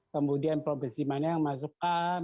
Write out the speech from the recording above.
kemudian provinsi mana yang masuk a